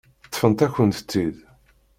Ṭṭfent-akent-tt-id.